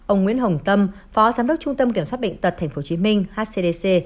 ông nguyễn hồng tâm phó giám đốc trung tâm kiểm soát bệnh tật tp hcm hcdc